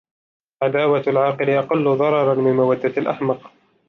عَدَاوَةُ الْعَاقِلِ أَقَلُّ ضَرَرًا مِنْ مَوَدَّةِ الْأَحْمَقِ